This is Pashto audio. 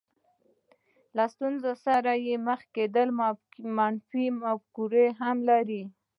له ستونزې سره مخ کېدل منفي فکرونه هم لري.